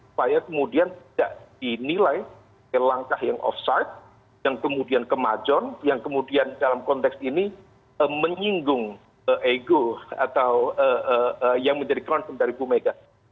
supaya kemudian tidak dinilai langkah yang off side yang kemudian kemajon yang kemudian dalam konteks ini menyinggung ego atau yang menjadi concern dari bu mega